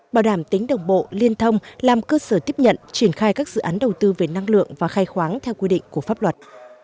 bảo đảm tính đồng bộ liên thông làm cơ sở tiếp nhận triển khai các dự án đầu tư về năng lượng và khai khoáng theo quy định của pháp luật